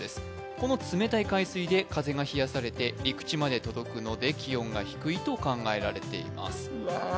この冷たい海水で風が冷やされて陸地まで届くので気温が低いと考えられていますうわ